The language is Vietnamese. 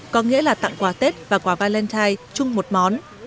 có nghĩa là tặng quà tết và quả valentine chung một món